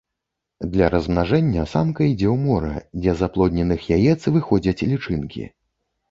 Для размнажэння самка ідзе ў мора, дзе з аплодненых яец выходзяць лічынкі.